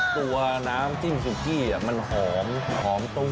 ตัวน้ำจิ้มสุกี้มันหอมหอมตุ้ง